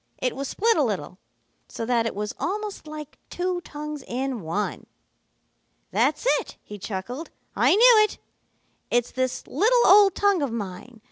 It was split a little, so that it was almost like two tongues in one. "'That's it,' he chuckled. 'I knew it. It's this little old tongue of mine.